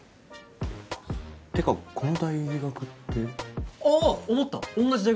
えってかこの大学ってあぁ思った同じ大学だよね